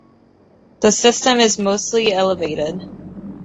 The system is mostly elevated.